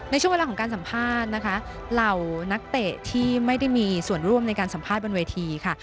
ช่วงเวลาของการสัมภาษณ์นะคะเหล่านักเตะที่ไม่ได้มีส่วนร่วมในการสัมภาษณ์บนเวทีค่ะ